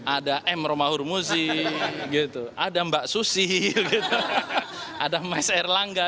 ada m romahur muzi ada mbak susi ada mas erlangga